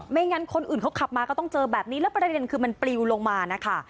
งั้นคนอื่นเขาขับมาก็ต้องเจอแบบนี้แล้วประเด็นคือมันปลิวลงมานะคะ